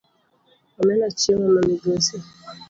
Omena chiemo ma migosi.